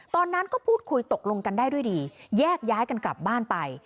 ตอนนั้นก็พูดคุยตกลงกันได้ด้วยดีแยกย้ายกันกลับบ้านไป